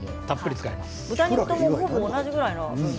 豚肉とほぼ同じぐらいの。